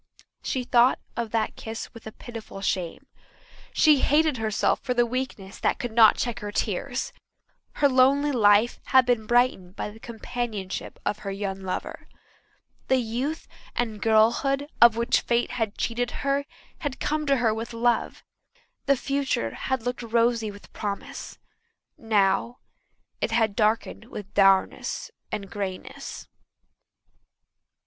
She thought of that kiss with a pitiful shame. She hated herself for the weakness that could not check her tears. Her lonely life had been brightened by the companionship of her young lover. The youth and girlhood of which fate had cheated her had come to her with love; the future had looked rosy with promise; now it had darkened with dourness and greyness.